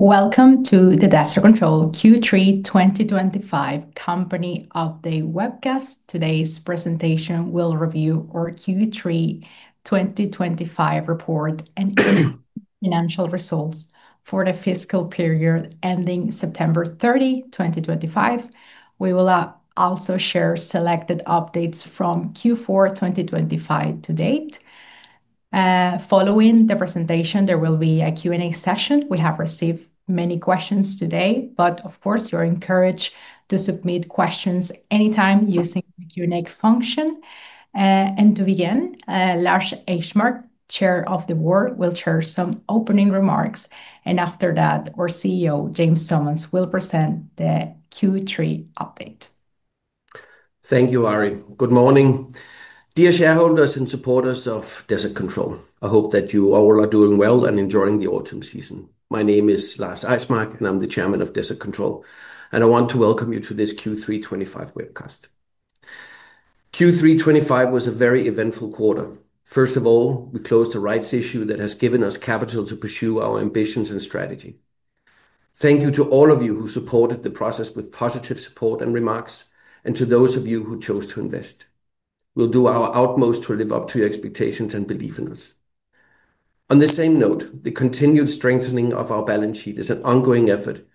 Welcome to the Desert Control Q3 2025 company update webcast. Today's presentation will review our Q3 2025 report and financial results for the fiscal period ending September 30, 2025. We will also share selected updates from Q4 2025 to date. Following the presentation, there will be a Q&A session. We have received many questions today, but of course, you're encouraged to submit questions anytime using the Q&A function. To begin, Lars Eismark, Chair of the Board, will share some opening remarks, and after that, our CEO, James Thomas, will present the Q3 update. Thank you, Ari. Good morning. Dear shareholders and supporters of Desert Control, I hope that you all are doing well and enjoying the autumn season. My name is Lars Eismark, and I'm the Chairman of Desert Control, and I want to welcome you to this Q3 2025 webcast. Q3 2025 was a very eventful quarter. First of all, we closed a rights issue that has given us capital to pursue our ambitions and strategy. Thank you to all of you who supported the process with positive support and remarks, and to those of you who chose to invest. We'll do our utmost to live up to your expectations and believe in us. On the same note, the continued strengthening of our balance sheet is an ongoing effort,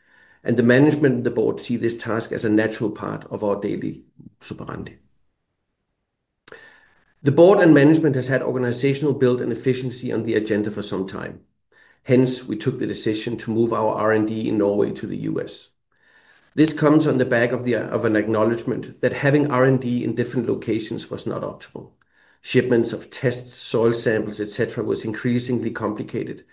and the management and the board see this task as a natural part of our daily sovereign. The board and management have had organizational build and efficiency on the agenda for some time. Hence, we took the decision to move our R&D in Norway to the U.S. This comes on the back of an acknowledgment that having R&D in different locations was not optimal. Shipments of tests, soil samples, etc., were increasingly complicated,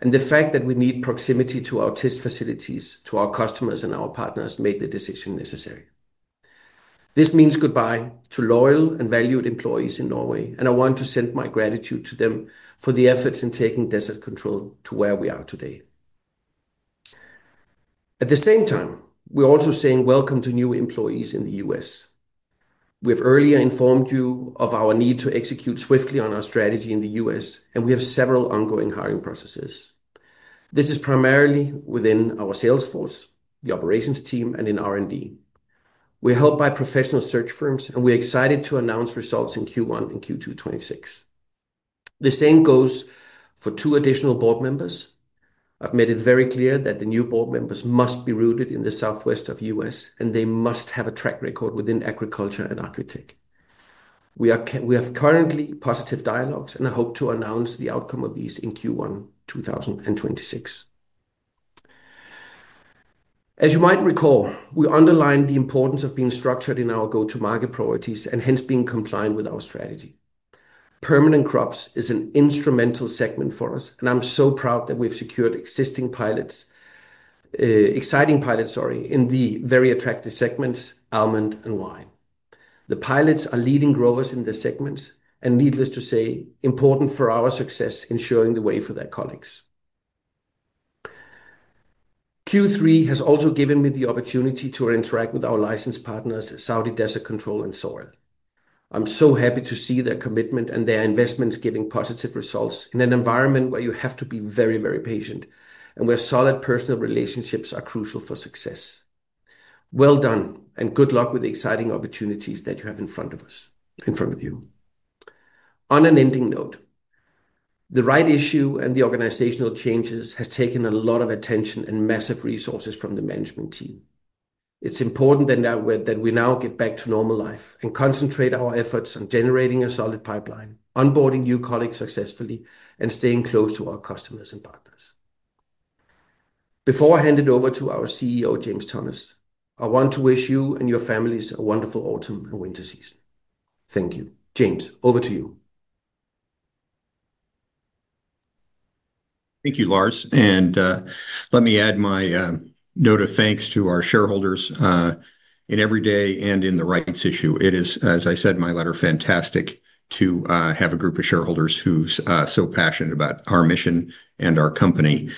and the fact that we need proximity to our test facilities, to our customers and our partners, made the decision necessary. This means goodbye to loyal and valued employees in Norway, and I want to send my gratitude to them for the efforts in taking Desert Control to where we are today. At the same time, we're also saying welcome to new employees in the U.S. We have earlier informed you of our need to execute swiftly on our strategy in the U.S., and we have several ongoing hiring processes. This is primarily within our sales force, the operations team, and in R&D. We're helped by professional search firms, and we're excited to announce results in Q1 and Q2 2026. The same goes for two additional board members. I've made it very clear that the new board members must be rooted in the southwest of the U.S., and they must have a track record within agriculture and aquatic. We have currently positive dialogues, and I hope to announce the outcome of these in Q1 2026. As you might recall, we underlined the importance of being structured in our go-to-market priorities and hence being compliant with our strategy. Permanent crops is an instrumental segment for us, and I'm so proud that we've secured existing pilots. Exciting pilots, sorry, in the very attractive segments almond and wine. The pilots are leading growers in the segments, and needless to say, important for our success in showing the way for their colleagues. Q3 has also given me the opportunity to interact with our licensed partners, Saudi Desert Control and Soil. I'm so happy to see their commitment and their investments giving positive results in an environment where you have to be very, very patient, and where solid personal relationships are crucial for success. Well done, and good luck with the exciting opportunities that you have in front of us, in front of you. On an ending note, the rights issue and the organizational changes have taken a lot of attention and massive resources from the management team. It's important that we now get back to normal life and concentrate our efforts on generating a solid pipeline, onboarding new colleagues successfully, and staying close to our customers and partners. Before I hand it over to our CEO, James Thomas, I want to wish you and your families a wonderful autumn and winter season. Thank you. James, over to you. Thank you, Lars. Let me add my note of thanks to our shareholders in every day and in the rights issue. It is, as I said in my letter, fantastic to have a group of shareholders who are so passionate about our mission and our company.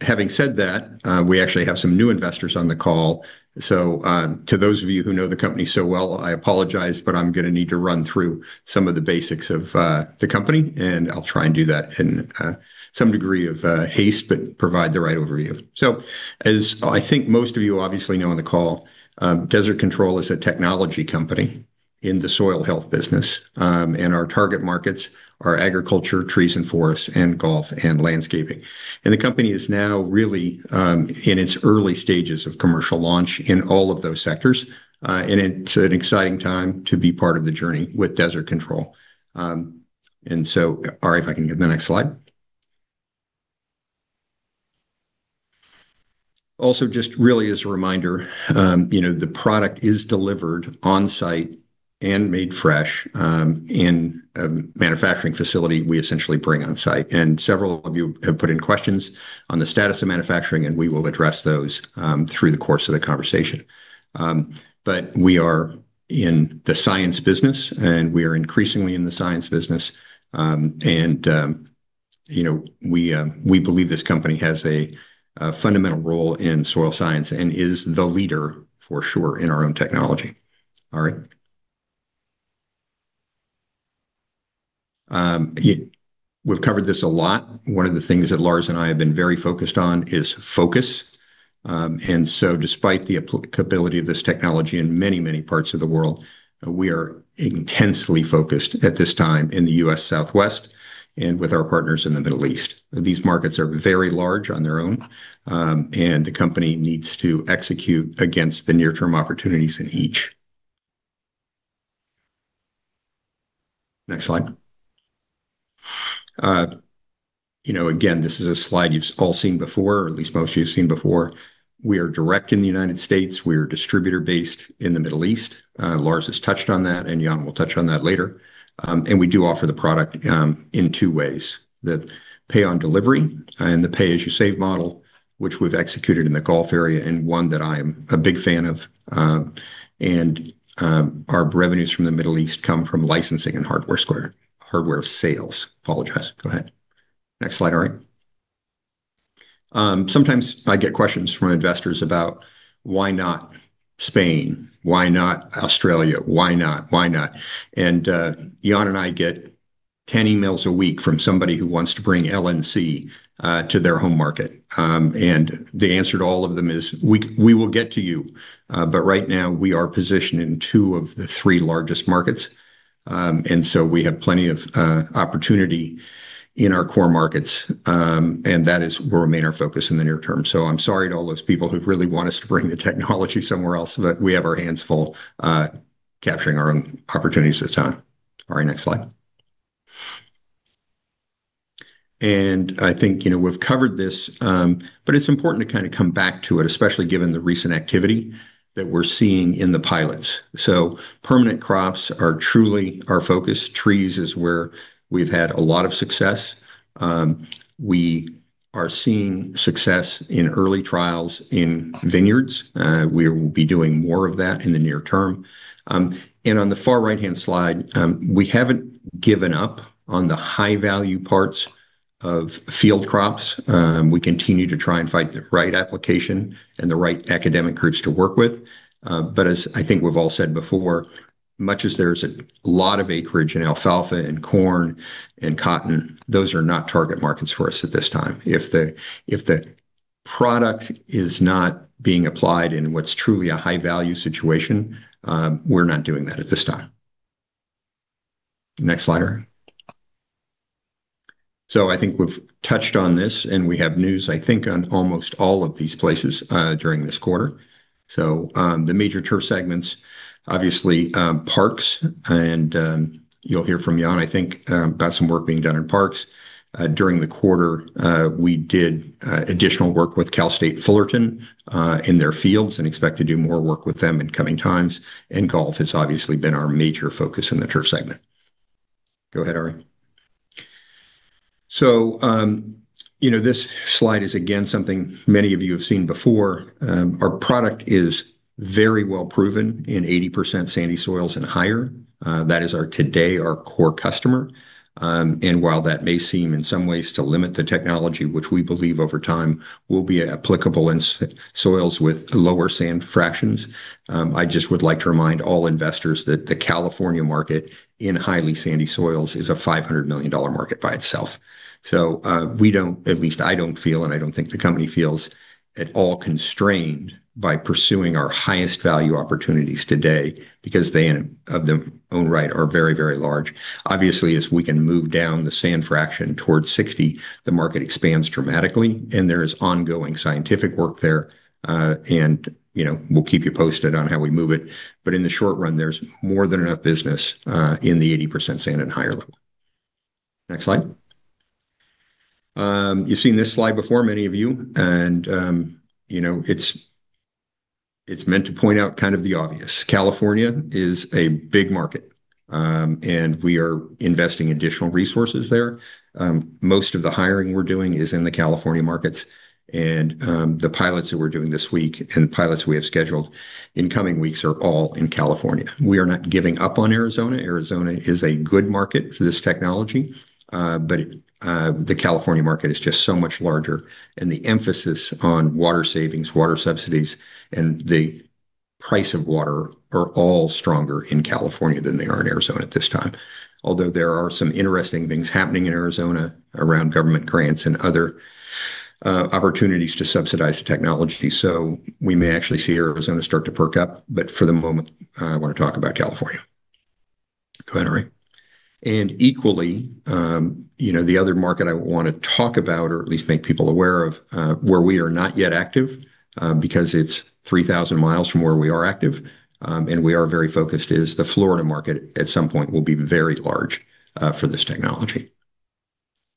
Having said that, we actually have some new investors on the call. To those of you who know the company so well, I apologize, but I'm going to need to run through some of the basics of the company, and I'll try and do that in some degree of haste but provide the right overview. As I think most of you obviously know on the call, Desert Control is a technology company in the soil health business. Our target markets are agriculture, trees and forests, and golf and landscaping. The company is now really in its early stages of commercial launch in all of those sectors, and it is an exciting time to be part of the journey with Desert Control. Ari, if I can get the next slide. Also, just really as a reminder, the product is delivered on site and made fresh. In a manufacturing facility we essentially bring on site, and several of you have put in questions on the status of manufacturing, and we will address those through the course of the conversation. We are in the science business, and we are increasingly in the science business. We believe this company has a fundamental role in soil science and is the leader for sure in our own technology. All right. We've covered this a lot. One of the things that Lars and I have been very focused on is focus. Despite the applicability of this technology in many, many parts of the world, we are intensely focused at this time in the U.S. Southwest and with our partners in the Middle East. These markets are very large on their own, and the company needs to execute against the near-term opportunities in each. Next slide. Again, this is a slide you've all seen before, or at least most of you have seen before. We are direct in the United States. We are distributor-based in the Middle East. Lars has touched on that, and Jan will touch on that later. We do offer the product in two ways: the pay-on-delivery and the pay-as-you-save model, which we have executed in the Gulf area and one that I am a big fan of. Our revenues from the Middle East come from licensing and hardware sales. Apologize. Go ahead. Next slide, Ari. Sometimes I get questions from investors about why not Spain, why not Australia, why not, why not? Jan and I get 10 emails a week from somebody who wants to bring LNC to their home market. The answer to all of them is, "We will get to you." Right now, we are positioned in two of the three largest markets. We have plenty of opportunity in our core markets, and that will remain our focus in the near term. I'm sorry to all those people who really want us to bring the technology somewhere else, but we have our hands full capturing our own opportunities at the time. All right, next slide. I think we've covered this, but it's important to kind of come back to it, especially given the recent activity that we're seeing in the pilots. Permanent crops are truly our focus. Trees is where we've had a lot of success. We are seeing success in early trials in vineyards. We will be doing more of that in the near term. On the far right-hand slide, we haven't given up on the high-value parts of field crops. We continue to try and find the right application and the right academic groups to work with. But as I think we've all said before, much as there's a lot of acreage in alfalfa and corn and cotton, those are not target markets for us at this time. If the product is not being applied in what's truly a high-value situation, we're not doing that at this time. Next slide, Ari. I think we've touched on this, and we have news, I think, on almost all of these places during this quarter. The major turf segments, obviously parks, and you'll hear from Jan, I think, about some work being done in parks. During the quarter, we did additional work with Cal State Fullerton in their fields and expect to do more work with them in coming times. Golf has obviously been our major focus in the turf segment. Go ahead, Ari. This slide is again something many of you have seen before. Our product is very well proven in 80% sandy soils and higher. That is today our core customer. And while that may seem in some ways to limit the technology, which we believe over time will be applicable in soils with lower sand fractions, I just would like to remind all investors that the California market in highly sandy soils is a $500 million market by itself. So we don't, at least I don't feel, and I don't think the company feels at all constrained by pursuing our highest value opportunities today because they, of their own right, are very, very large. Obviously, as we can move down the sand fraction towards 60, the market expands dramatically, and there is ongoing scientific work there. And we'll keep you posted on how we move it. In the short run, there's more than enough business in the 80% sand and higher level. Next slide. You've seen this slide before, many of you, and it's meant to point out kind of the obvious. California is a big market. We are investing additional resources there. Most of the hiring we're doing is in the California markets. The pilots that we're doing this week and the pilots we have scheduled in coming weeks are all in California. We are not giving up on Arizona. Arizona is a good market for this technology, but the California market is just so much larger. The emphasis on water savings, water subsidies, and the price of water are all stronger in California than they are in Arizona at this time. Although there are some interesting things happening in Arizona around government grants and other opportunities to subsidize the technology. We may actually see Arizona start to perk up, but for the moment, I want to talk about California. Go ahead, Ari. Equally, the other market I want to talk about, or at least make people aware of, where we are not yet active because it is 3,000 miles from where we are active and we are very focused, is the Florida market. At some point, it will be very large for this technology.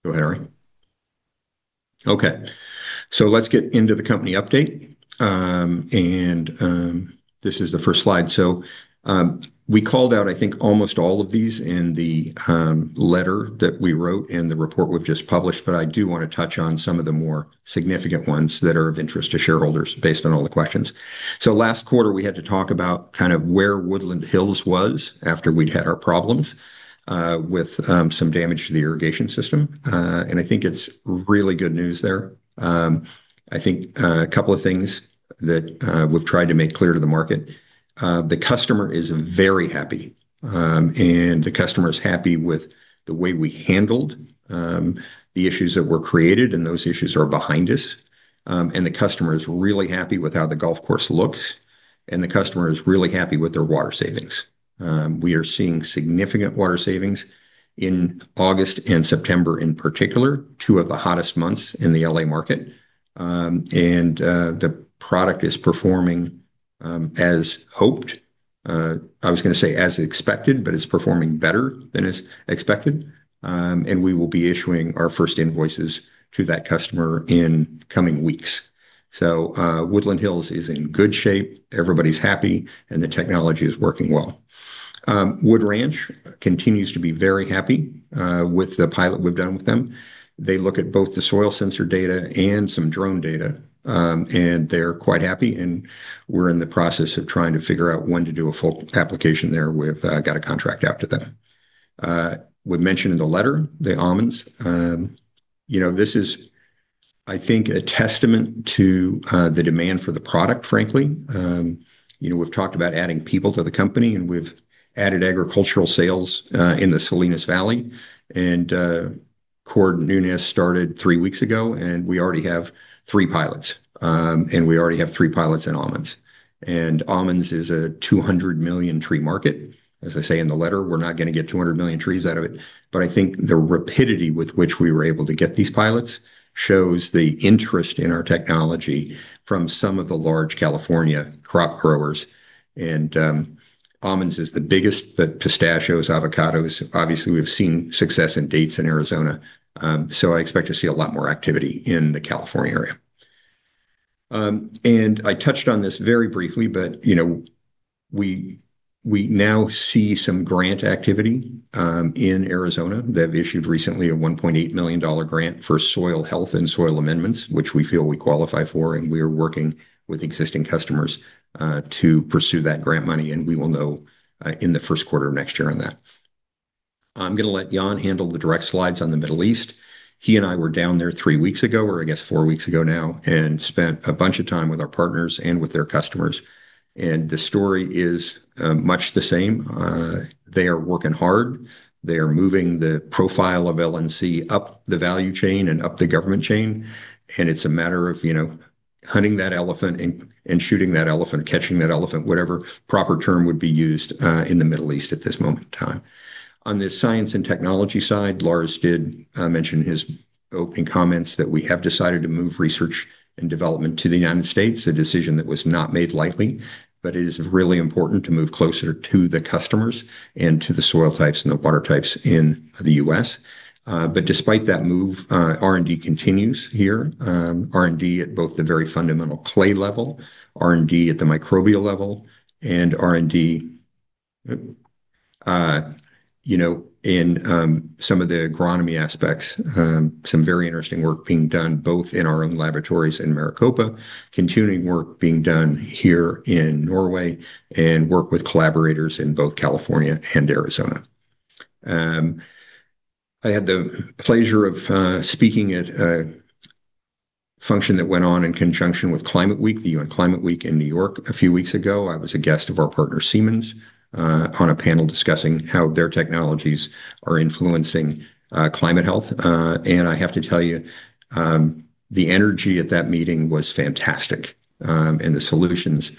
Go ahead, Ari. Okay. Let us get into the company update. This is the first slide. We called out, I think, almost all of these in the letter that we wrote and the report we have just published, but I do want to touch on some of the more significant ones that are of interest to shareholders based on all the questions. Last quarter, we had to talk about kind of where Woodland Hills was after we had our problems with some damage to the irrigation system. I think it is really good news there. I think a couple of things that we have tried to make clear to the market. The customer is very happy. The customer is happy with the way we handled the issues that were created, and those issues are behind us. The customer is really happy with how the golf course looks. The customer is really happy with their water savings. We are seeing significant water savings in August and September in particular, two of the hottest months in the LA market. The product is performing as hoped. I was going to say as expected, but it is performing better than expected. We will be issuing our first invoices to that customer in coming weeks. Woodland Hills is in good shape. Everybody's happy, and the technology is working well. Wood Ranch continues to be very happy with the pilot we've done with them. They look at both the soil sensor data and some drone data, and they're quite happy. We're in the process of trying to figure out when to do a full application there. We've got a contract out to them. We mentioned in the letter, the almonds. This is, I think, a testament to the demand for the product, frankly. We've talked about adding people to the company, and we've added agricultural sales in the Salinas Valley. Cord Nunez started three weeks ago, and we already have three pilots. We already have three pilots in almonds. Almonds is a 200 million tree market. As I say in the letter, we're not going to get 200 million trees out of it. I think the rapidity with which we were able to get these pilots shows the interest in our technology from some of the large California crop growers. Almonds is the biggest, but pistachios, avocados, obviously, we've seen success in dates in Arizona. I expect to see a lot more activity in the California area. I touched on this very briefly, but we now see some grant activity in Arizona. They've issued recently a $1.8 million grant for soil health and soil amendments, which we feel we qualify for. We are working with existing customers to pursue that grant money. We will know in the first quarter of next year on that. I'm going to let Jan handle the direct slides on the Middle East. He and I were down there three weeks ago, or I guess four weeks ago now, and spent a bunch of time with our partners and with their customers. The story is much the same. They are working hard. They are moving the profile of LNC up the value chain and up the government chain. It is a matter of hunting that elephant and shooting that elephant, catching that elephant, whatever proper term would be used in the Middle East at this moment in time. On the science and technology side, Lars did mention in his opening comments that we have decided to move research and development to the United States, a decision that was not made lightly. It is really important to move closer to the customers and to the soil types and the water types in the US. Despite that move, R&D continues here. R&D at both the very fundamental clay level, R&D at the microbial level, and R&D in some of the agronomy aspects, some very interesting work being done both in our own laboratories in Maricopa, continuing work being done here in Norway, and work with collaborators in both California and Arizona. I had the pleasure of speaking at a function that went on in conjunction with Climate Week, the UN Climate Week in New York, a few weeks ago. I was a guest of our partner, Siemens, on a panel discussing how their technologies are influencing climate health. I have to tell you, the energy at that meeting was fantastic and the solutions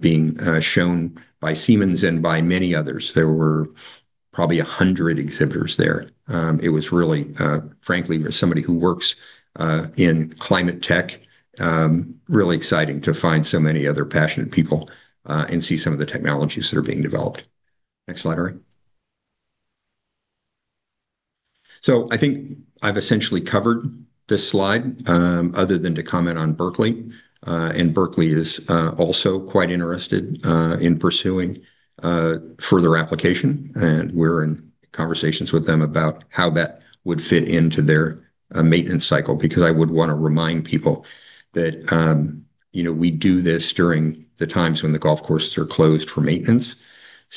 being shown by Siemens and by many others. There were probably 100 exhibitors there. It was really, frankly, for somebody who works. In climate tech, really exciting to find so many other passionate people and see some of the technologies that are being developed. Next slide, Ari. I think I've essentially covered this slide other than to comment on Berkeley. Berkeley is also quite interested in pursuing further application, and we're in conversations with them about how that would fit into their maintenance cycle because I would want to remind people that we do this during the times when the golf courses are closed for maintenance.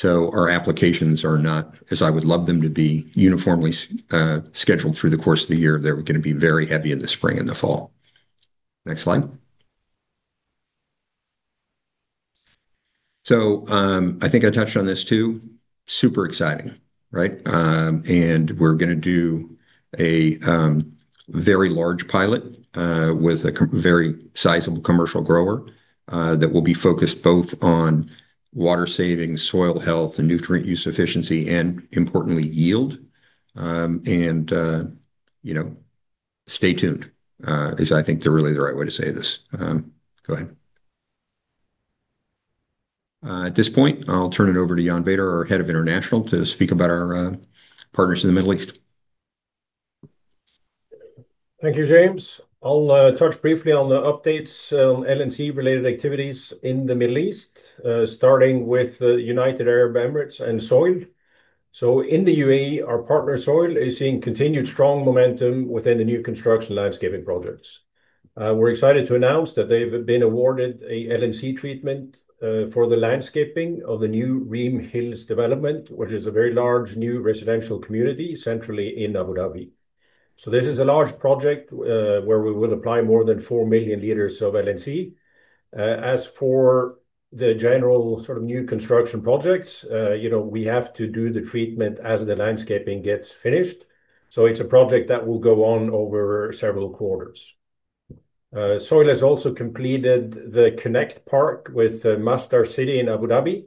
Our applications are not, as I would love them to be, uniformly scheduled through the course of the year. They're going to be very heavy in the spring and the fall. Next slide. I think I touched on this too. Super exciting, right? And we're going to do. A very large pilot with a very sizable commercial grower that will be focused both on water savings, soil health, nutrient use efficiency, and importantly, yield. Stay tuned is, I think, really the right way to say this. Go ahead. At this point, I'll turn it over to Jan Vader, our Head of International, to speak about our partners in the Middle East. Thank you, James. I'll touch briefly on the updates on LNC-related activities in the Middle East, starting with United Arab Emirates and Soil. In the UAE, our partner, Soil, is seeing continued strong momentum within the new construction landscaping projects. We're excited to announce that they've been awarded an LNC treatment for the landscaping of the new Reem Hills development, which is a very large new residential community centrally in Abu Dhabi. This is a large project where we will apply more than 4 million liters of LNC. As for the general sort of new construction projects, we have to do the treatment as the landscaping gets finished. It is a project that will go on over several quarters. Soil has also completed the Connect Park with Masdar City in Abu Dhabi.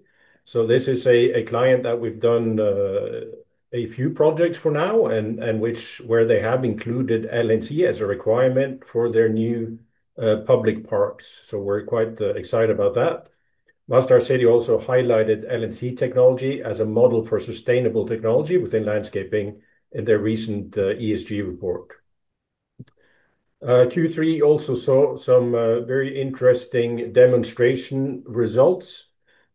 This is a client that we've done a few projects for now and where they have included LNC as a requirement for their new public parks. We are quite excited about that. Masdar City also highlighted LNC technology as a model for sustainable technology within landscaping in their recent ESG report. Q3 also saw some very interesting demonstration results.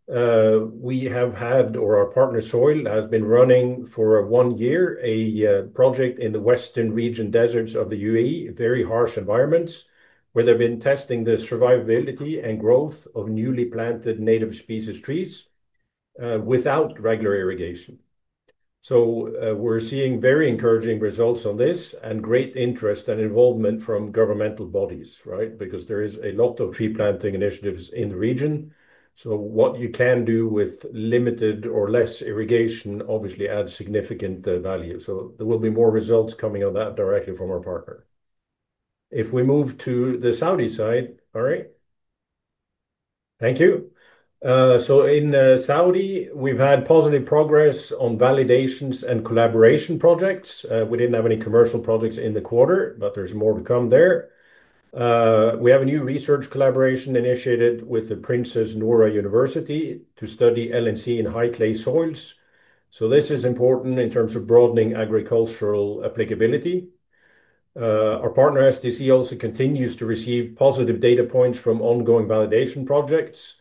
We have had, or our partner, Soil, has been running for one year a project in the Western region deserts of the UAE, very harsh environments, where they've been testing the survivability and growth of newly planted native species trees without regular irrigation. We are seeing very encouraging results on this and great interest and involvement from governmental bodies, right? There is a lot of tree planting initiatives in the region. What you can do with limited or less irrigation obviously adds significant value. There will be more results coming on that directly from our partner. If we move to the Saudi side, Ari. Thank you. In Saudi, we have had positive progress on validations and collaboration projects. We did not have any commercial projects in the quarter, but there is more to come there. We have a new research collaboration initiated with the Princess Nourah bint Abdulrahman University to study LNC in high clay soils. This is important in terms of broadening agricultural applicability. Our partner, SDC, also continues to receive positive data points from ongoing validation projects,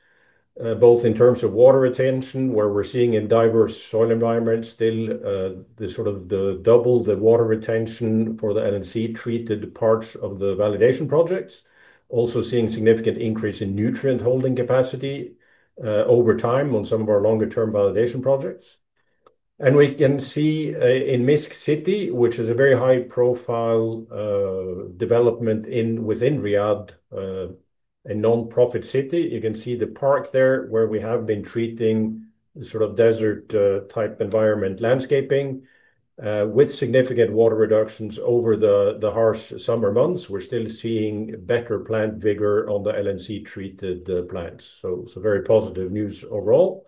both in terms of water retention, where we're seeing in diverse soil environments still. The sort of double the water retention for the LNC-treated parts of the validation projects. Also seeing significant increase in nutrient holding capacity over time on some of our longer-term validation projects. We can see in Misk City, which is a very high-profile development within Riyadh. A nonprofit city. You can see the park there where we have been treating the sort of desert-type environment landscaping. With significant water reductions over the harsh summer months, we're still seeing better plant vigor on the LNC-treated plants. Very positive news overall.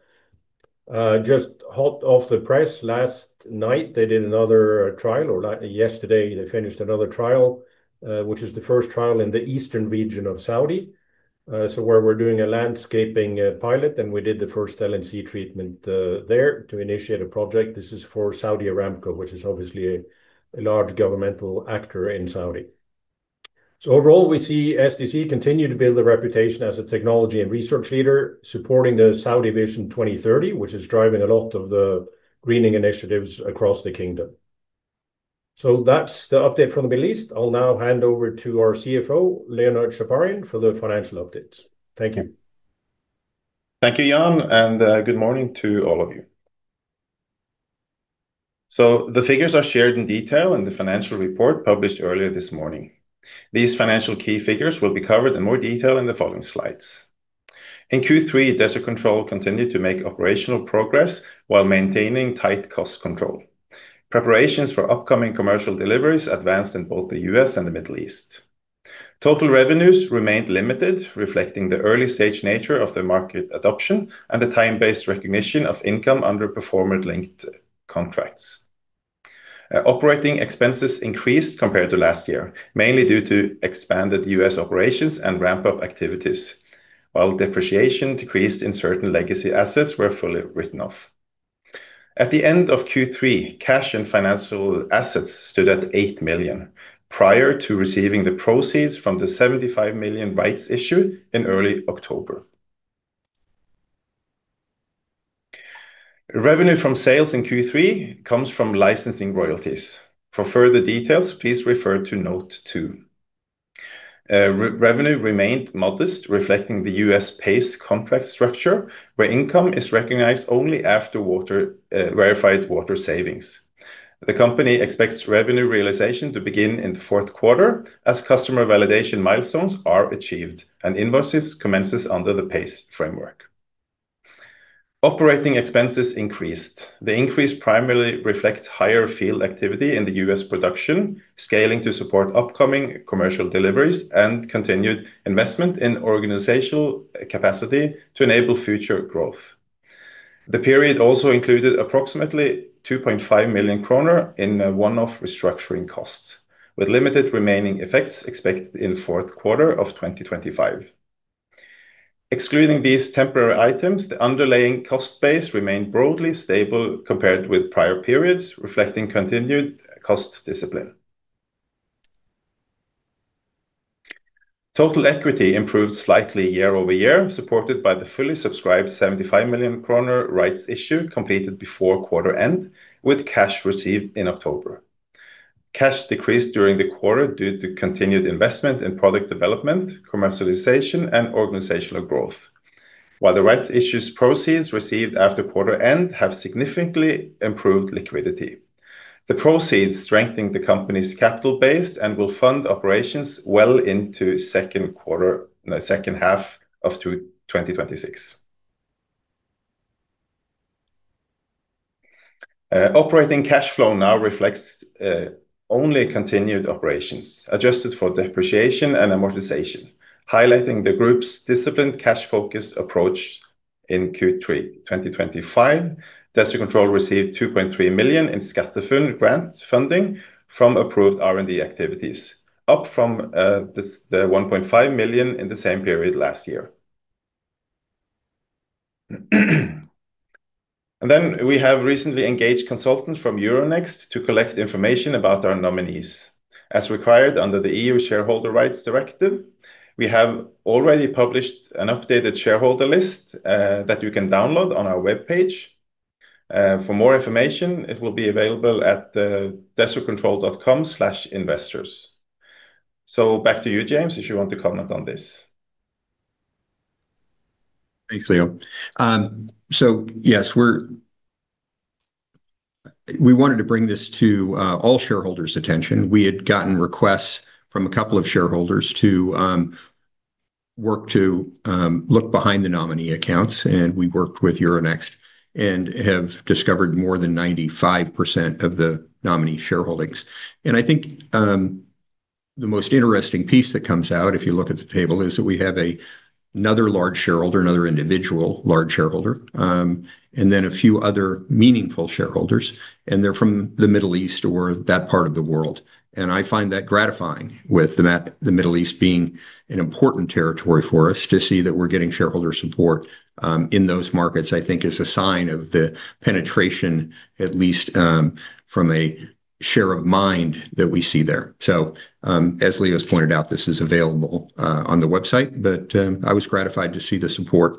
Just hot off the press, last night, they did another trial, or yesterday, they finished another trial, which is the first trial in the eastern region of Saudi. Where we're doing a landscaping pilot, and we did the first LNC treatment there to initiate a project. This is for Saudi Aramco, which is obviously a large governmental actor in Saudi. Overall, we see SDC continue to build a reputation as a technology and research leader supporting the Saudi Vision 2030, which is driving a lot of the greening initiatives across the kingdom. That is the update from the Middle East. I'll now hand over to our CFO, Leonard Chaparian, for the financial updates. Thank you. Thank you, Jan, and good morning to all of you. The figures are shared in detail in the financial report published earlier this morning. These financial key figures will be covered in more detail in the following slides. In Q3, Desert Control continued to make operational progress while maintaining tight cost control. Preparations for upcoming commercial deliveries advanced in both the US and the Middle East. Total revenues remained limited, reflecting the early-stage nature of the market adoption and the time-based recognition of income under performer-linked contracts. Operating expenses increased compared to last year, mainly due to expanded US operations and ramp-up activities, while depreciation decreased as certain legacy assets were fully written off. At the end of Q3, cash and financial assets stood at 8 million prior to receiving the proceeds from the 75 million rights issue in early October. Revenue from sales in Q3 comes from licensing royalties. For further details, please refer to note two. Revenue remained modest, reflecting the U.S.-based contract structure where income is recognized only after verified water savings. The company expects revenue realization to begin in the fourth quarter as customer validation milestones are achieved and invoices commence under the PACE framework. Operating expenses increased. The increase primarily reflects higher field activity in the US production, scaling to support upcoming commercial deliveries and continued investment in organizational capacity to enable future growth. The period also included approximately 2.5 million kroner in one-off restructuring costs, with limited remaining effects expected in the fourth quarter of 2025. Excluding these temporary items, the underlying cost base remained broadly stable compared with prior periods, reflecting continued cost discipline. Total equity improved slightly year over year, supported by the fully subscribed 75 million kroner rights issue completed before quarter end, with cash received in October. Cash decreased during the quarter due to continued investment in product development, commercialization, and organizational growth, while the rights issue proceeds received after quarter end have significantly improved liquidity. The proceeds strengthened the company's capital base and will fund operations well into the second half of 2026. Operating cash flow now reflects only continued operations, adjusted for depreciation and amortization, highlighting the group's disciplined cash-focused approach in Q3 2025. Desert Control received 2.3 million in SkatteFUNN grant funding from approved R&D activities, up from 1.5 million in the same period last year. We have recently engaged consultants from Euronext to collect information about our nominees as required under the EU shareholder rights directive. We have already published an updated shareholder list that you can download on our web page. For more information, it will be available at desertcontrol.com/investors. Back to you, James, if you want to comment on this. Thanks, Leo. Yes. We wanted to bring this to all shareholders' attention. We had gotten requests from a couple of shareholders to work to look behind the nominee accounts, and we worked with Euronext and have discovered more than 95% of the nominee shareholdings. I think the most interesting piece that comes out, if you look at the table, is that we have another large shareholder, another individual large shareholder, and then a few other meaningful shareholders, and they are from the Middle East or that part of the world. I find that gratifying, with the Middle East being an important territory for us, to see that we are getting shareholder support in those markets, I think, is a sign of the penetration, at least from a share of mind that we see there. As Leo has pointed out, this is available on the website, but I was gratified to see the support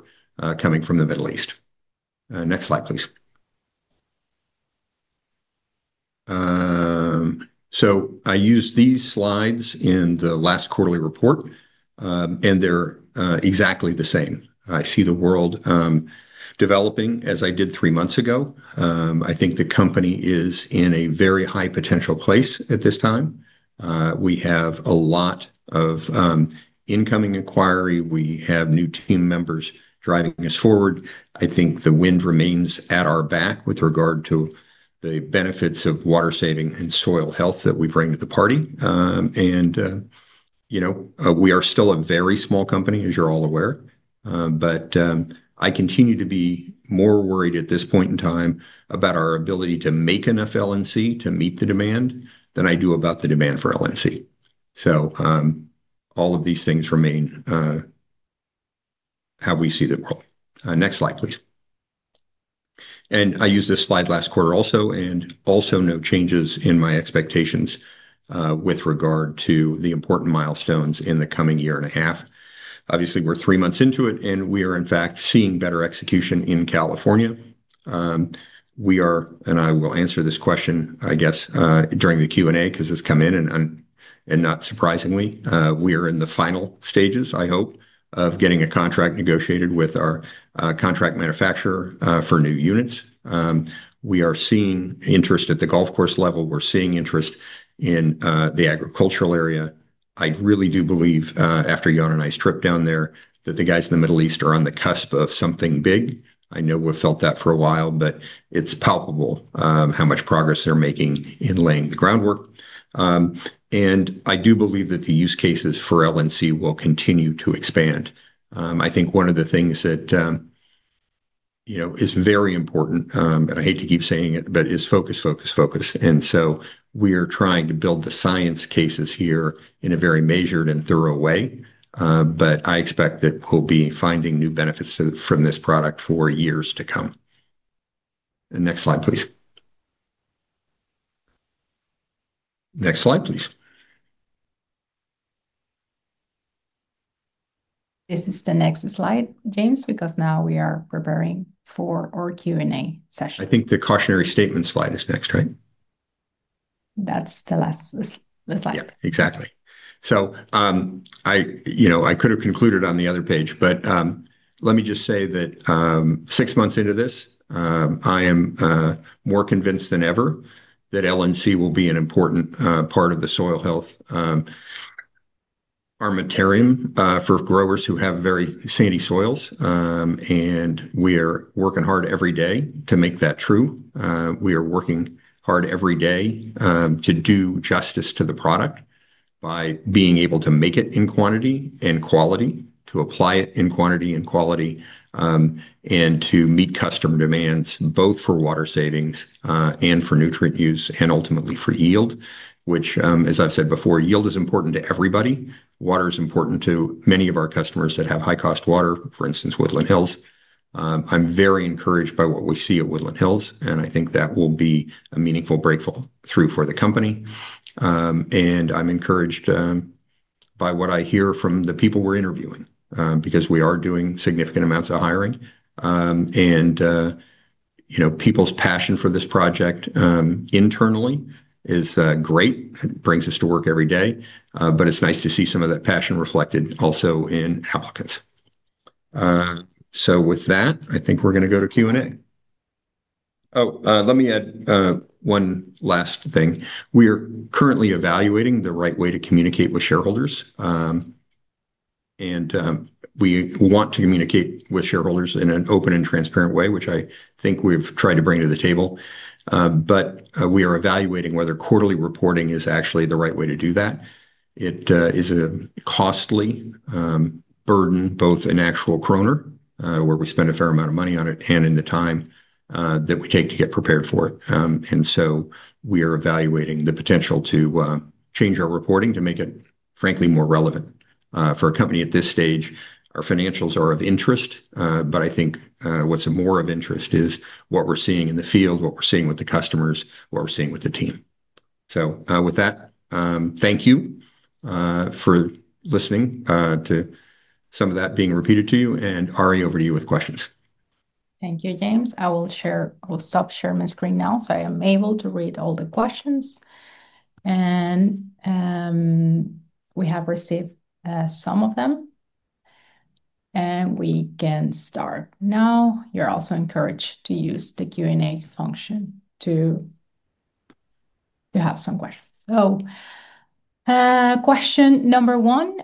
coming from the Middle East. Next slide, please. I used these slides in the last quarterly report, and they're exactly the same. I see the world developing as I did three months ago. I think the company is in a very high potential place at this time. We have a lot of incoming inquiry. We have new team members driving us forward. I think the wind remains at our back with regard to the benefits of water saving and soil health that we bring to the party. We are still a very small company, as you're all aware, but I continue to be more worried at this point in time about our ability to make enough LNC to meet the demand than I do about the demand for LNC. All of these things remain. How we see the world. Next slide, please. I used this slide last quarter also, and also no changes in my expectations with regard to the important milestones in the coming year and a half. Obviously, we're three months into it, and we are, in fact, seeing better execution in California. We are, and I will answer this question, I guess, during the Q&A because it's come in, and not surprisingly, we are in the final stages, I hope, of getting a contract negotiated with our contract manufacturer for new units. We are seeing interest at the golf course level. We're seeing interest in the agricultural area. I really do believe, after Jan and I's trip down there, that the guys in the Middle East are on the cusp of something big. I know we've felt that for a while, but it's palpable how much progress they're making in laying the groundwork. I do believe that the use cases for LNC will continue to expand. I think one of the things that is very important, and I hate to keep saying it, but is focus, focus, focus. We are trying to build the science cases here in a very measured and thorough way, but I expect that we'll be finding new benefits from this product for years to come. Next slide, please. Next slide, please. This is the next slide, James, because now we are preparing for our Q&A session. I think the cautionary statement slide is next, right? That is the last slide. Yep, exactly. I could have concluded on the other page, but let me just say that six months into this, I am more convinced than ever that LNC will be an important part of the soil health armamentarium for growers who have very sandy soils. We are working hard every day to make that true. We are working hard every day to do justice to the product by being able to make it in quantity and quality, to apply it in quantity and quality, and to meet customer demands, both for water savings and for nutrient use and ultimately for yield, which, as I have said before, yield is important to everybody. Water is important to many of our customers that have high-cost water, for instance, Woodland Hills. I'm very encouraged by what we see at Woodland Hills, and I think that will be a meaningful breakthrough for the company. I'm encouraged by what I hear from the people we're interviewing because we are doing significant amounts of hiring. People's passion for this project internally is great. It brings us to work every day, but it's nice to see some of that passion reflected also in applicants. With that, I think we're going to go to Q&A. Oh, let me add one last thing. We are currently evaluating the right way to communicate with shareholders. We want to communicate with shareholders in an open and transparent way, which I think we've tried to bring to the table. We are evaluating whether quarterly reporting is actually the right way to do that. It is a costly. Burden, both in actual kroner, where we spend a fair amount of money on it, and in the time that we take to get prepared for it. We are evaluating the potential to change our reporting to make it, frankly, more relevant for a company at this stage. Our financials are of interest, but I think what is more of interest is what we are seeing in the field, what we are seeing with the customers, what we are seeing with the team. With that, thank you for listening to some of that being repeated to you, and Ari, over to you with questions. Thank you, James. I will stop sharing my screen now so I am able to read all the questions. We have received some of them, and we can start now. You are also encouraged to use the Q&A function to have some questions. Question number one,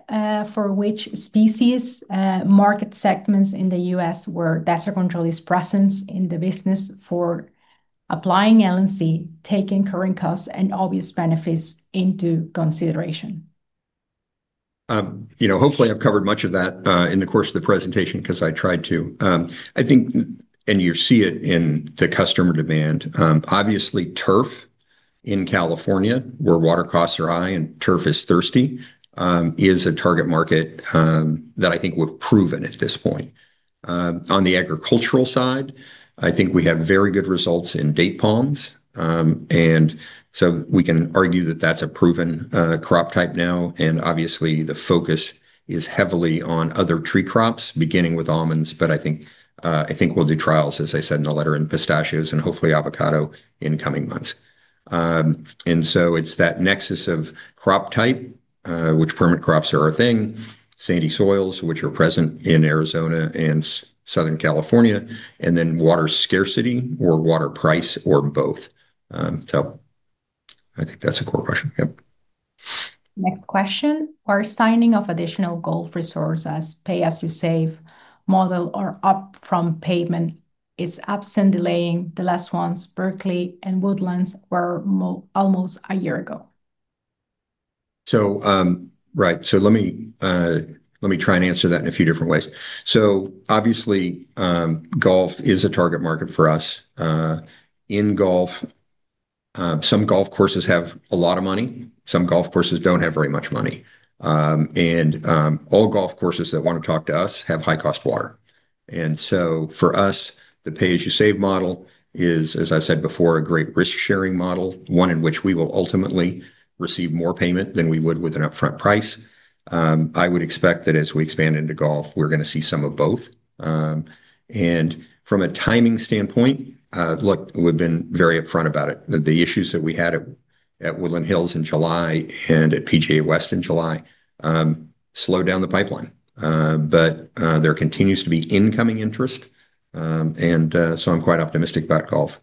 for which species. Market segments in the U.S. where Desert Control is present in the business for. Applying LNC, taking current costs and obvious benefits into consideration? Hopefully, I've covered much of that in the course of the presentation because I tried to. I think, and you see it in the customer demand. Obviously, turf in California, where water costs are high and turf is thirsty, is a target market that I think we've proven at this point. On the agricultural side, I think we have very good results in date palms. And so we can argue that that's a proven crop type now. Obviously, the focus is heavily on other tree crops, beginning with almonds, but I think we'll do trials, as I said in the letter, in pistachios and hopefully avocado in coming months. It is that nexus of crop type, which permanent crops are a thing, sandy soils, which are present in Arizona and Southern California, and then water scarcity or water price or both. I think that is a core question. Yep. Next question. Our signing of additional golf resources pay-as-you-save model or upfront payment is absent, delaying the last ones. Berkeley and Woodland Hills were almost a year ago. Right. Let me try and answer that in a few different ways. Obviously, golf is a target market for us. In golf, some golf courses have a lot of money. Some golf courses do not have very much money. All golf courses that want to talk to us have high-cost water. For us, the pay-as-you-save model is, as I said before, a great risk-sharing model, one in which we will ultimately receive more payment than we would with an upfront price. I would expect that as we expand into golf, we are going to see some of both. From a timing standpoint, look, we have been very upfront about it. The issues that we had at Woodland Hills in July and at PGA West in July slowed down the pipeline. There continues to be incoming interest. I am quite optimistic about golf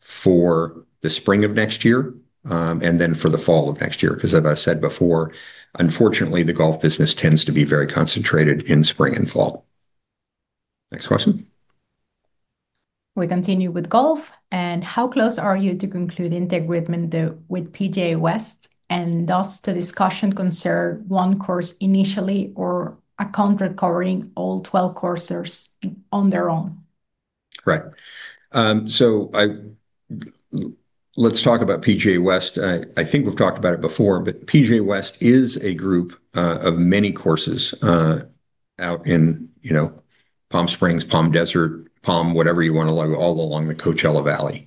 for the spring of next year and then for the fall of next year. As I said before, unfortunately, the golf business tends to be very concentrated in spring and fall. Next question. We continue with golf. How close are you to concluding the agreement with PGA West and thus the discussion concern one course initially or a contract covering all 12 courses on their own? Correct. Let's talk about PGA West. I think we've talked about it before, but PGA West is a group of many courses out in Palm Springs, Palm Desert, Palm, whatever you want to call it, all along the Coachella Valley.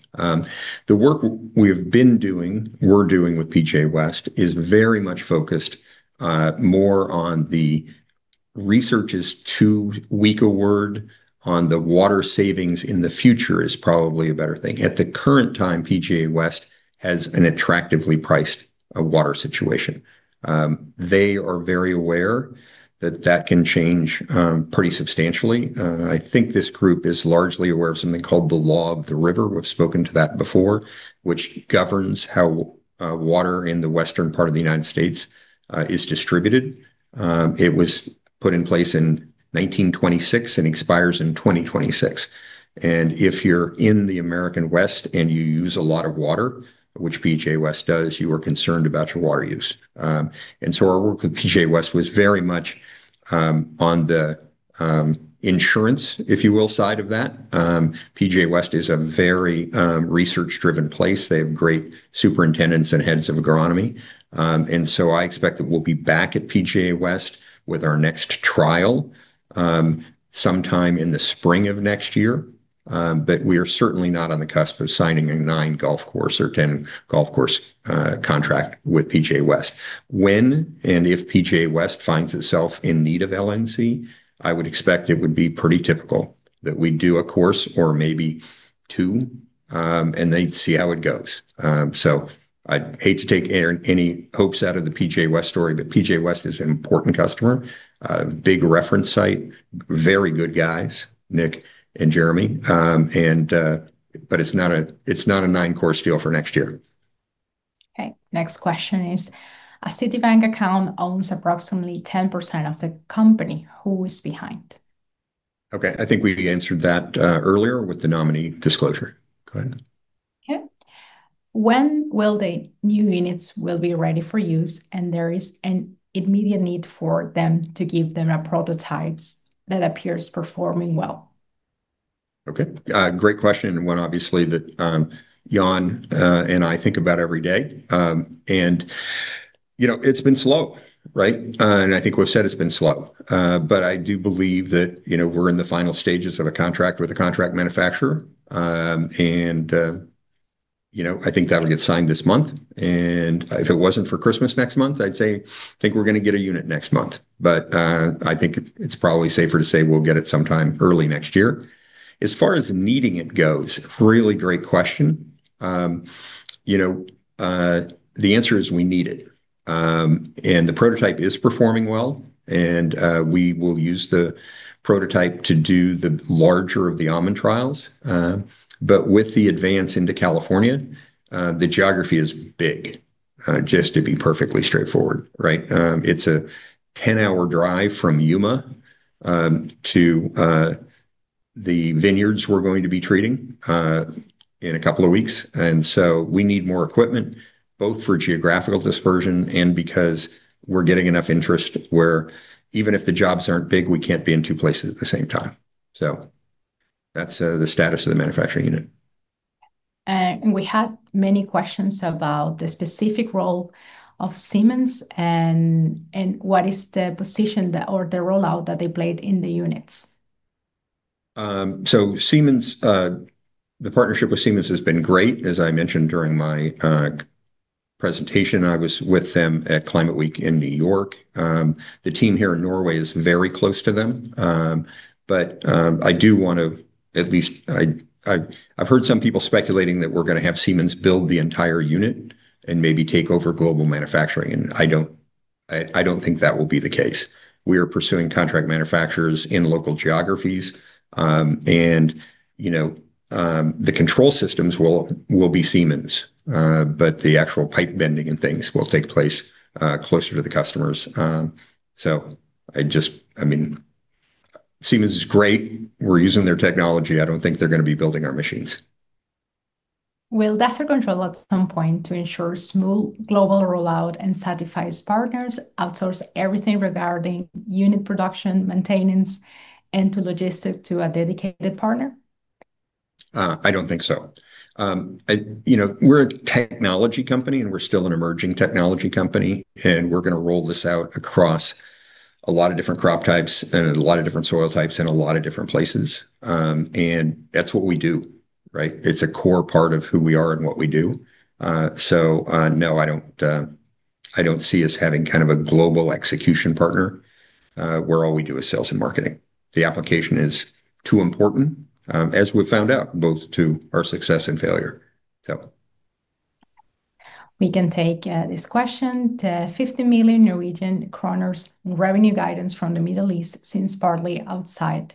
The work we have been doing, we're doing with PGA West is very much focused. More on the research is too weak a word. On the water savings in the future is probably a better thing. At the current time, PGA West has an attractively priced water situation. They are very aware that that can change pretty substantially. I think this group is largely aware of something called the Law of the River. We've spoken to that before, which governs how water in the western part of the United States is distributed. It was put in place in 1926 and expires in 2026. If you're in the American West and you use a lot of water, which PGA West does, you are concerned about your water use. Our work with PGA West was very much on the insurance, if you will, side of that. PGA West is a very research-driven place. They have great superintendents and heads of agronomy. I expect that we'll be back at PGA West with our next trial sometime in the spring of next year. We are certainly not on the cusp of signing a 9-golf course or 10-golf course contract with PGA West. When and if PGA West finds itself in need of LNC, I would expect it would be pretty typical that we do a course or maybe two, and they'd see how it goes. I hate to take any hopes out of the PGA West story, but PGA West is an important customer, big reference site, very good guys, Nick and Jeremy. It is not a 9-course deal for next year. Next question is, a Citibank account owns approximately 10% of the company. Who is behind? I think we answered that earlier with the nominee disclosure. Go ahead. When will the new units be ready for use and there is an immediate need for them to give them a prototype that appears performing well? Great question. One, obviously, that Jan and I think about every day. It has been slow, right? I think we've said it's been slow. I do believe that we're in the final stages of a contract with a contract manufacturer. I think that'll get signed this month. If it wasn't for Christmas next month, I'd say I think we're going to get a unit next month. I think it's probably safer to say we'll get it sometime early next year. As far as needing it goes, really great question. The answer is we need it. The prototype is performing well. We will use the prototype to do the larger of the almond trials. With the advance into California, the geography is big, just to be perfectly straightforward, right? It's a 10-hour drive from Yuma to the vineyards we're going to be treating in a couple of weeks. We need more equipment, both for geographical dispersion and because we're getting enough interest where even if the jobs aren't big, we can't be in two places at the same time. That's the status of the manufacturing unit. We had many questions about the specific role of Siemens and what is the position or the rollout that they played in the units. The partnership with Siemens has been great. As I mentioned during my presentation, I was with them at Climate Week in New York. The team here in Norway is very close to them. I do want to at least address, I've heard some people speculating that we're going to have Siemens build the entire unit and maybe take over global manufacturing. I don't think that will be the case. We are pursuing contract manufacturers in local geographies. The control systems will be Siemens, but the actual pipe bending and things will take place closer to the customers. I mean, Siemens is great. We're using their technology. I don't think they're going to be building our machines. Will Desert Control at some point to ensure smooth global rollout and satisfy its partners, outsource everything regarding unit production, maintenance, and logistics to a dedicated partner? I don't think so. We're a technology company, and we're still an emerging technology company. We're going to roll this out across a lot of different crop types and a lot of different soil types and a lot of different places. That's what we do, right? It's a core part of who we are and what we do. No, I don't see us having kind of a global execution partner where all we do is sales and marketing. The application is too important, as we've found out, both to our success and failure, so. We can take this question. The 50 million Norwegian kroner revenue guidance from the Middle East seems partly outside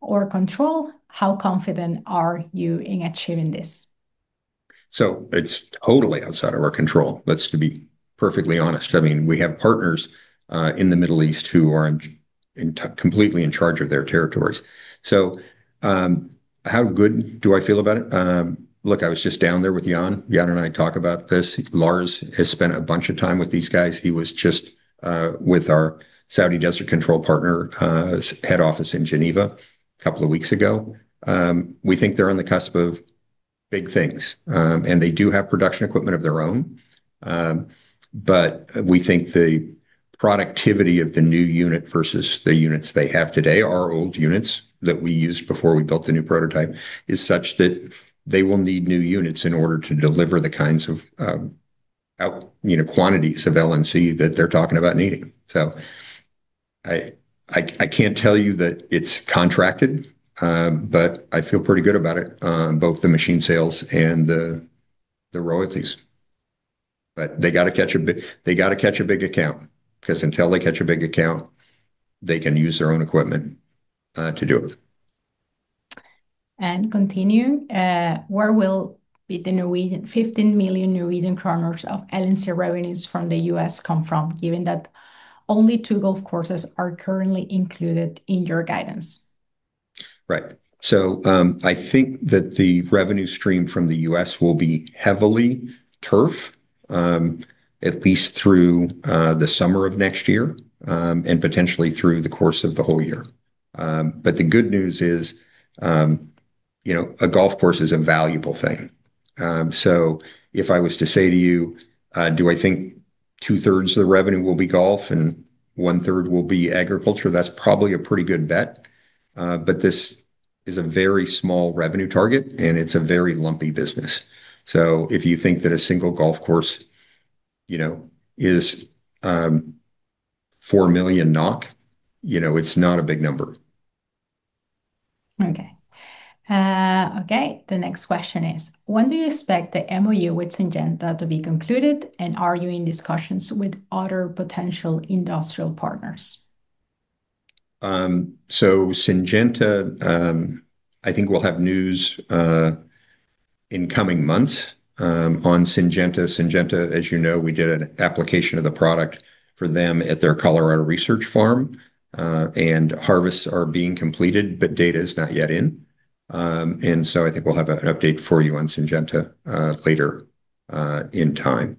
our control. How confident are you in achieving this? It is totally outside of our control, let's be perfectly honest. I mean, we have partners in the Middle East who are completely in charge of their territories. How good do I feel about it? Look, I was just down there with Jan. Jan and I talk about this. Lars has spent a bunch of time with these guys. He was just with our Saudi Desert Control partner head office in Geneva a couple of weeks ago. We think they're on the cusp of big things. And they do have production equipment of their own. We think the productivity of the new unit versus the units they have today, our old units that we used before we built the new prototype, is such that they will need new units in order to deliver the kinds of quantities of LNC that they're talking about needing. I can't tell you that it's contracted, but I feel pretty good about it, both the machine sales and the royalties. They got to catch a big account because until they catch a big account, they can use their own equipment to do it. Continuing, where will the 15 million Norwegian kroner of LNC revenues from the U.S. come from, given that only two golf courses are currently included in your guidance? Right. I think that the revenue stream from the U.S. will be heavily turf. At least through the summer of next year and potentially through the course of the whole year. The good news is, a golf course is a valuable thing. If I was to say to you, do I think two-thirds of the revenue will be golf and one-third will be agriculture, that's probably a pretty good bet. This is a very small revenue target, and it's a very lumpy business. If you think that a single golf course is 4 million NOK, it's not a big number. The next question is, when do you expect the MOU with Syngenta to be concluded, and are you in discussions with other potential industrial partners? Syngenta, I think we'll have news in coming months on Syngenta. Syngenta, as you know, we did an application of the product for them at their Colorado research farm. Harvests are being completed, but data is not yet in. I think we'll have an update for you on Syngenta later. In time.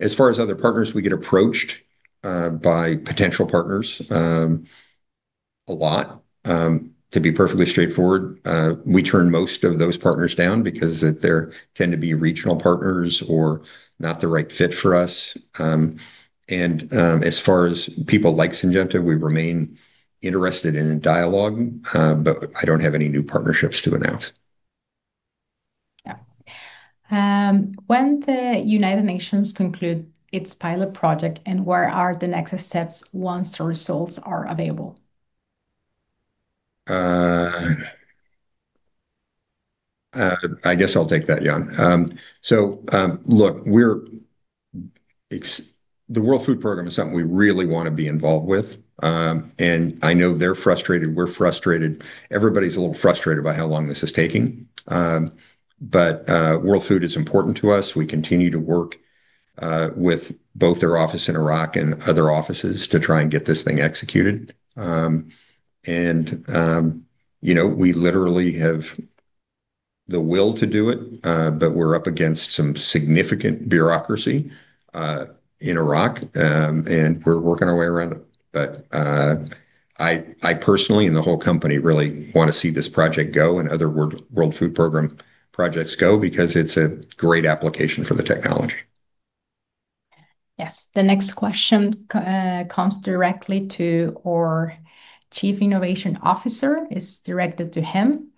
As far as other partners, we get approached by potential partners a lot. To be perfectly straightforward, we turn most of those partners down because they tend to be regional partners or not the right fit for us. As far as people like Syngenta, we remain interested in a dialogue, but I don't have any new partnerships to announce. Yeah. When the United Nations concludes its pilot project and what are the next steps once the results are available? I guess I'll take that, Jan. The World Food Program is something we really want to be involved with. I know they're frustrated. We're frustrated. Everybody's a little frustrated by how long this is taking. World Food is important to us. We continue to work with both their office in Iraq and other offices to try and get this thing executed. We literally have the will to do it, but we're up against some significant bureaucracy in Iraq, and we're working our way around it. I personally and the whole company really want to see this project go and other World Food Program projects go because it's a great application for the technology. Yes. The next question comes directly to our Chief Innovation Officer. It's directed to him.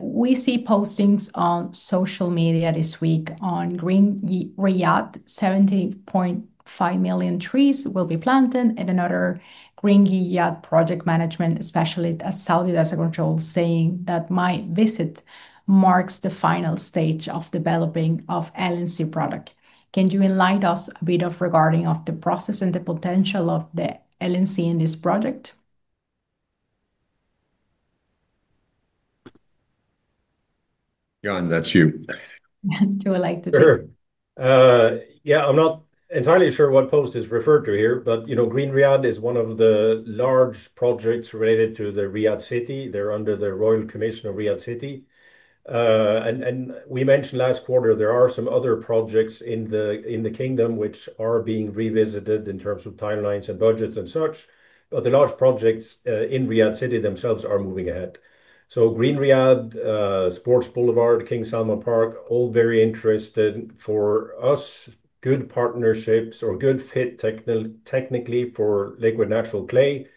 We see postings on social media this week on Green Yield Yard, 70.5 million trees will be planted, and another Green Yield Yard project management specialist at Saudi Desert Control saying that my visit marks the final stage of developing an LNC product. Can you enlighten us a bit regarding the process and the potential of the LNC in this project? Jan, that's you. Do you like to take it? Sure. Yeah. I'm not entirely sure what post is referred to here, but Green Yield Yard is one of the large projects related to the Riyadh City. They are under the Royal Commission of Riyadh City. We mentioned last quarter, there are some other projects in the kingdom which are being revisited in terms of timelines and budgets and such. The large projects in Riyadh City themselves are moving ahead. Green Yield Yard, Sports Boulevard, King Salman Park, all very interested for us, good partnerships or good fit technically for LNC.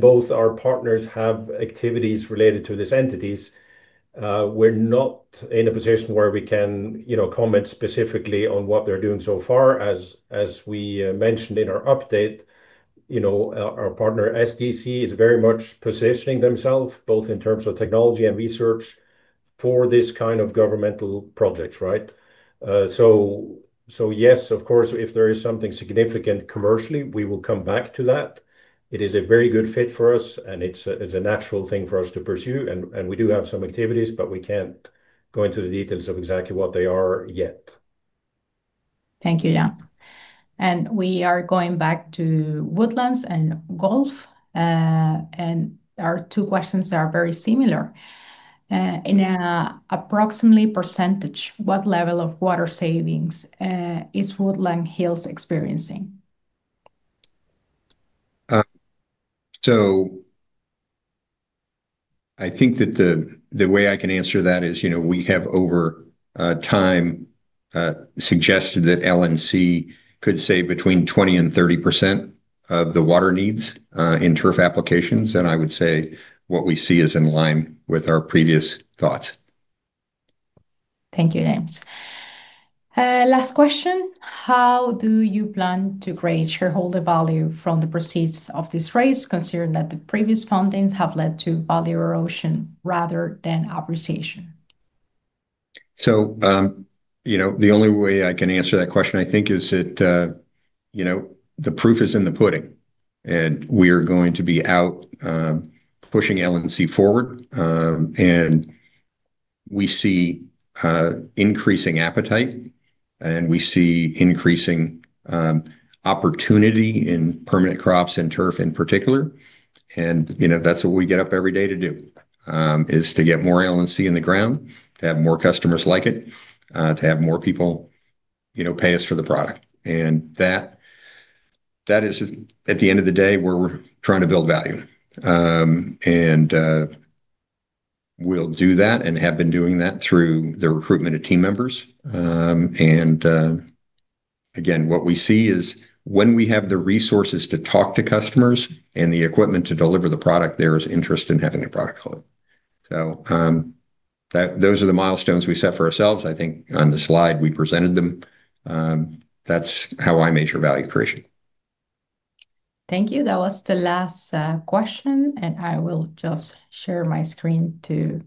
Both our partners have activities related to these entities. We're not in a position where we can comment specifically on what they're doing so far. As we mentioned in our update. Our partner SDC is very much positioning themselves both in terms of technology and research. For this kind of governmental project, right? Yes, of course, if there is something significant commercially, we will come back to that. It is a very good fit for us, and it's a natural thing for us to pursue. We do have some activities, but we can't go into the details of exactly what they are yet. Thank you, Jan. We are going back to woodlands and golf. Our two questions are very similar. In an approximate percentage, what level of water savings is Woodland Hills experiencing? I think that the way I can answer that is we have over time suggested that LNC could save between 20%-30% of the water needs in turf applications. I would say what we see is in line with our previous thoughts. Thank you, James. Last question. How do you plan to create shareholder value from the proceeds of this raise, considering that the previous fundings have led to value erosion rather than appreciation? The only way I can answer that question, I think, is that the proof is in the pudding, and we are going to be out pushing LNC forward. We see increasing appetite, and we see increasing opportunity in permanent crops and turf in particular. That is what we get up every day to do, to get more LNC in the ground, to have more customers like it, to have more people pay us for the product. That is, at the end of the day, where we are trying to build value. We'll do that and have been doing that through the recruitment of team members. Again, what we see is when we have the resources to talk to customers and the equipment to deliver the product, there is interest in having a product load. Those are the milestones we set for ourselves. I think on the slide, we presented them. That's how I measure value creation. Thank you. That was the last question, and I will just share my screen to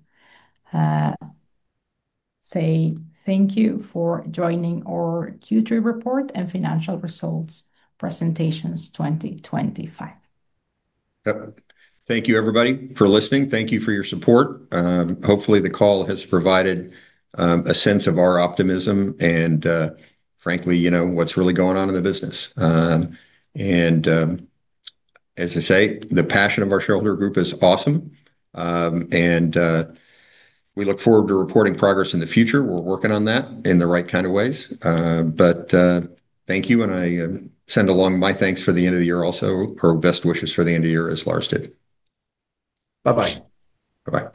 say thank you for joining our Q3 report and financial results presentations 2025. Yep. Thank you, everybody, for listening. Thank you for your support. Hopefully, the call has provided a sense of our optimism and, frankly, what's really going on in the business. The passion of our shareholder group is awesome. We look forward to reporting progress in the future. We're working on that in the right kind of ways. Thank you, and I send along my thanks for the end of the year also, our best wishes for the end of the year as Lars did. Bye-bye